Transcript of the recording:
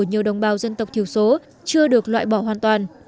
nhiều đồng bào dân tộc thiểu số chưa được loại bỏ hoàn toàn